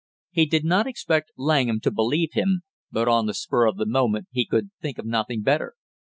He did not expect Langham to believe him, but on the spur of the moment he could think of nothing better.